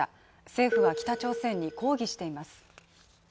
政府は北朝鮮に抗議しています。